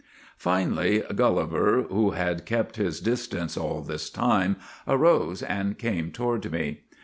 ' Finally Gulliver, who had kept his distance all this time, arose and came toward me.